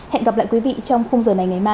hẹn gặp lại quý vị trong khung giờ này ngày mai